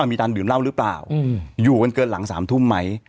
มีการดื่มเหล้าหรือเปล่าอยู่กันเกินหลัง๓ทุ่มไหม